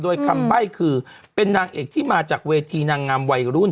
โดยคำใบ้คือเป็นนางเอกที่มาจากเวทีนางงามวัยรุ่น